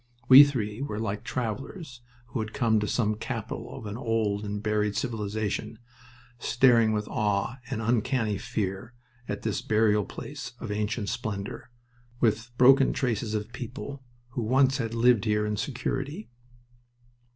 We three were like travelers who had come to some capital of an old and buried civilization, staring with awe and uncanny fear at this burial place of ancient splendor, with broken traces of peoples who once had lived here in security.